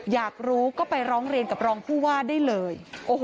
อยากรู้ก็ไปร้องเรียนกับรองผู้ว่าได้เลย